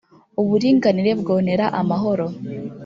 uburinganire bwonera amahoro.